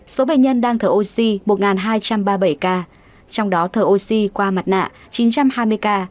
số bệnh nhân đang thở oxy một hai trăm ba mươi bảy ca trong đó thở oxy qua mặt nạ chín trăm hai mươi ca